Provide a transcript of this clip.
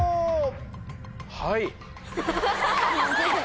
はい。